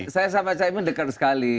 saya sama cak imin dekat sekali